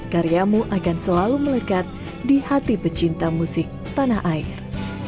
karyamu akan selalu melekat di hati pecinta musik tanah air